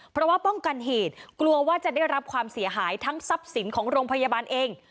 เพราะว่าป้องกันเหตุกลัวว่าจะได้รับความเสียหายทั้งทรัพย์สินของโรงพยาบาลเอง